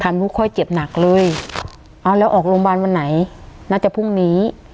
ไม่ค่อยเจ็บหนักเลยเอาแล้วออกโรงพยาบาลวันไหนน่าจะพรุ่งนี้